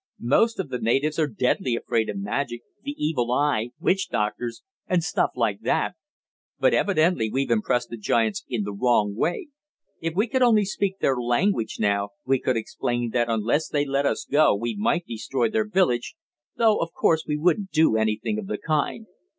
Most of the natives are deadly afraid of magic, the evil eye, witch doctors, and stuff like that. But evidently we've impressed the giants in the wrong way. If we could only speak their language now, we could explain that unless they let us go we might destroy their village, though of course we wouldn't do anything of the kind.